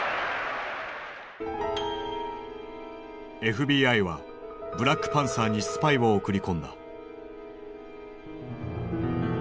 ＦＢＩはブラックパンサーにスパイを送り込んだ。